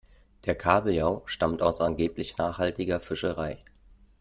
Der Kabeljau stammt aus angeblich nachhaltiger Fischerei.